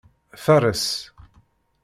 Fares.